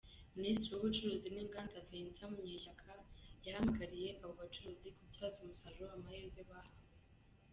Minisitiri w’Ubucuruzi n’Inganda, Vincent Munyeshyaka yahamagariye abo bacuruzi kubyaza umusaruro amahirwe bahawe.